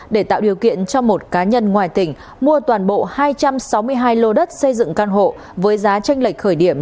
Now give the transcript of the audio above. để tạo điều kiện cho một cá nhân ngoài tỉnh mua toàn bộ hai trăm sáu mươi hai lô đất xây dựng căn hộ với giá tranh lệch khởi điểm